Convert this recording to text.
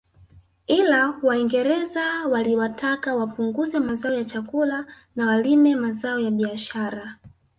Ila waingereza waliwataka wapunguze mazao ya chakula na walime mazao ya biashara